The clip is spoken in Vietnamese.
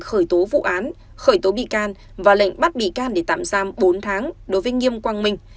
khởi tố vụ án khởi tố bị can và lệnh bắt bị can để tạm giam bốn tháng đối với nghiêm quang minh